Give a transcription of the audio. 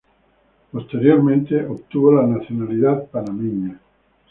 Posteriormente obtuvo la nacionalidad panameña.